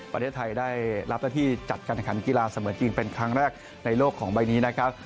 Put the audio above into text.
ประเทศไทยได้รับหน้าที่จัดการแข่งขันกีฬาเสมอจริงเป็นครั้งแรกในโลกของใบนี้นะครับ